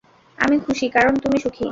আমি খুশি, কারণ তুমি সুখী।